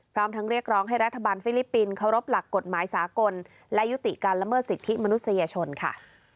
พร้อมทั้งเรียกร้องให้รัฐบาลฟิลิปปินส์เคารพหลักกฎหมายสากลและยุติการละเมิดสิทธิมนุษยชนค่ะ